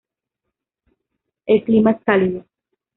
El clima es cálido.